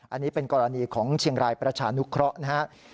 อันนี้เป็นกรณีของเชียงรายประชานุเคราะห์นะครับ